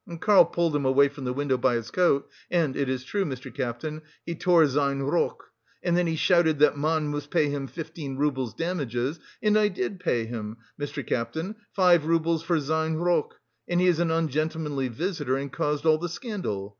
And Karl pulled him away from the window by his coat, and it is true, Mr. Captain, he tore sein rock. And then he shouted that man muss pay him fifteen roubles damages. And I did pay him, Mr. Captain, five roubles for sein rock. And he is an ungentlemanly visitor and caused all the scandal.